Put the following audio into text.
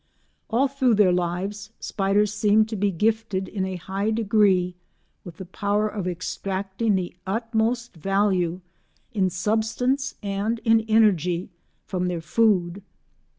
All through their lives spiders seem to be gifted in a high degree with the power of extracting the utmost value, in substance and in energy, from their food.